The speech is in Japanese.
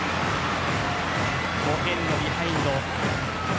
５点のビハインド。